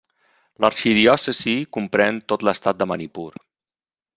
L'arxidiòcesi comprèn tot l'estat de Manipur.